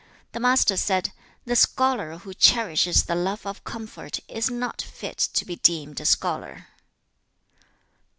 The Master said, 'The scholar who cherishes the love of comfort is not fit to be deemed a scholar.'